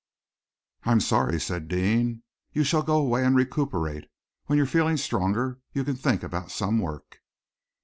"I am sorry," said Deane. "You shall go away and recuperate. When you're feeling stronger you can think about some work."